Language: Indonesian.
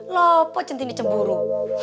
loh kok sentini cemburu